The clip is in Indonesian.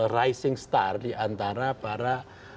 rising star diantara para